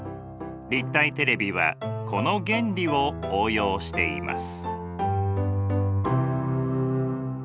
立体テレビはこの原理を応用しています。